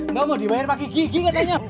nggak mau dibayar pakai gigi katanya